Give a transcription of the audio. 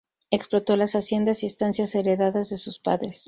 Explotó las haciendas y estancias heredades de sus padres.